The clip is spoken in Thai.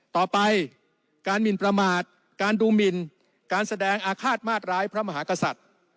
ต่อไปการหมินประมาทการดูหมินการแสดงอาฆาตมาตร้ายพระมหากษัตริย์